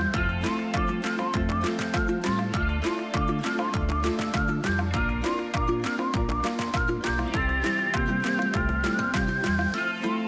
tadi naik kuda